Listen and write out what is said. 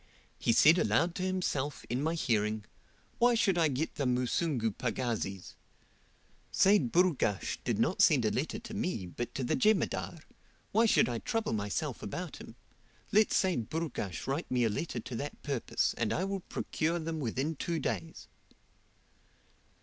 He said aloud to himself, in my hearing, 'Why should I get the Musungu pagazis? Seyd Burghash did not send a letter to me, but to the Jemadar. Why should I trouble myself about him? Let Seyd Burghash write me a letter to that purpose, and I will procure them within two days."'